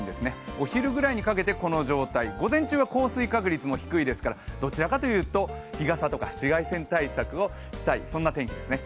お昼ぐらいにかけてこの状態午前中は降水確率も低いですからどちらかというと、日傘とか紫外線対策をしたい、そんな天気ですね。